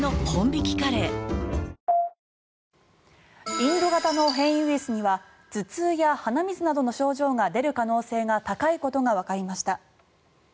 インド型の変異ウイルスには頭痛や鼻水などの症状が出る可能性が高いことがわかりました。